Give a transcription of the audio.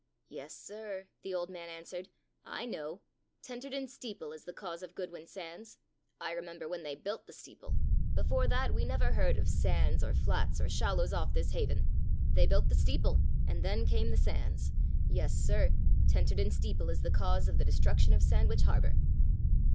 'Yes, sir,' the old man answered, 'I know. Tenterden Steeple is the cause of Goodwin Sands! I remember when they built the steeple. Before that we never heard of sands, or flats, or shallows off this haven. They built the steeple, and then came the sands. Yes, sir, Tenterden Steeple is the cause of the destruction of Sandwich Harbour!'